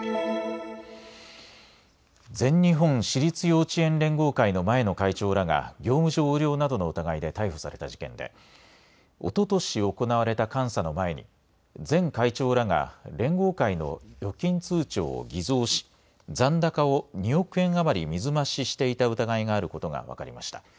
全日本私立幼稚園連合会の前の会長らが業務上横領などの疑いで逮捕された事件でおととし行われた監査の前に、前会長らが連合会の預金通帳を偽造し残高を２億円余り水増ししていた疑いがあることが分かりました。